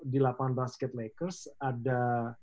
di lapangan basket makers ada